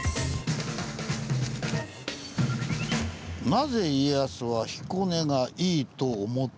「なぜ家康は“彦根がイイ”と思った？」。